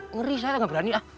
ngeri saya gak berani